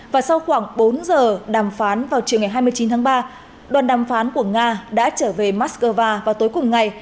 và sau khoảng bốn giờ đàm phán vào chiều ngày hai mươi chín tháng ba đoàn đàm phán của nga đã trở về moscow vào tối cùng ngày